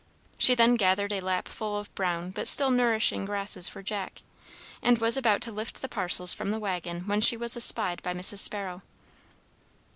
She then gathered a lapful of brown but still nourishing grasses for Jack, and was about to lift the parcels from the wagon when she was espied by Mrs. Sparrow.